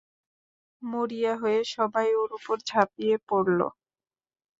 মরিয়া হয়ে সবাই ওর উপর ঝাঁপিয়ে পড়ল।